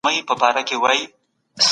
حنفي فقه د ذمي حق خوندي بولي.